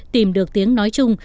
tìm được tiếng nói chung